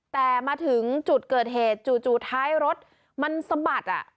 แต่มาถึงจุดเกิดเหตุจู่ท้ายรถมันสะบัดอ่ะ